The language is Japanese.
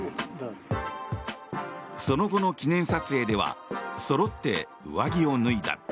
その後の記念撮影ではそろって上着を脱いだ。